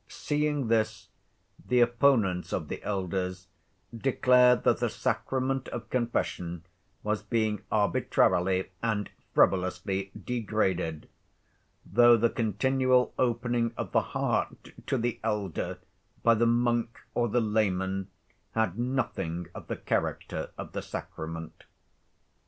Seeing this, the opponents of the elders declared that the sacrament of confession was being arbitrarily and frivolously degraded, though the continual opening of the heart to the elder by the monk or the layman had nothing of the character of the sacrament.